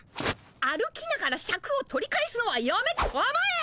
歩きながらシャクを取り返すのはやめたまえ！